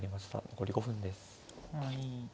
残り５分です。